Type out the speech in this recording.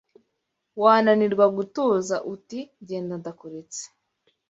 Wananirwa ugatuza Uti: genda ndakuretse